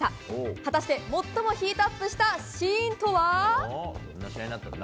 果たして、最もヒートアップしたシーンとは？